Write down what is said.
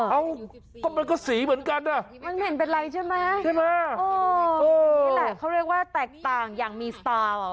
อ๋อมันก็สีเหมือนกันอ่ะใช่ไหมโอ้นี่แหละเขาเรียกว่าแตกต่างอย่างมีสตาร์